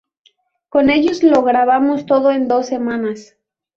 Con ellos lo grabamos todo en dos semanas.